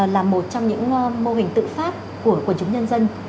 là một trong những mô hình tự phát của quần chúng nhân dân